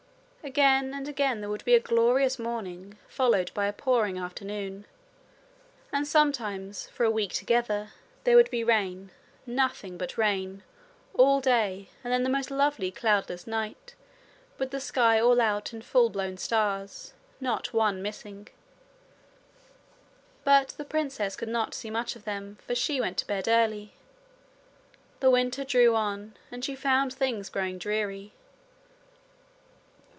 Again and again there would be a glorious morning followed by a pouring afternoon, and sometimes, for a week together, there would be rain, nothing but rain, all day, and then the most lovely cloudless night, with the sky all out in full blown stars not one missing. But the princess could not see much of them, for she went to bed early. The winter drew on, and she found things growing dreary.